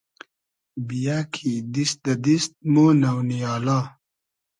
بییۂ کی دیست دۂ دیست مۉ نۆ نییالا